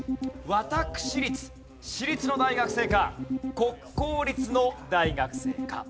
私立私立の大学生か国公立の大学生か。